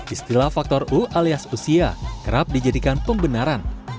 istilah faktor u alias usia kerap dijadikan pembenaran